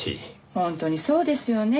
本当にそうですよね。